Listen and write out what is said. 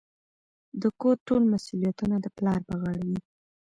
د کور ټول مسوليتونه د پلار په غاړه وي.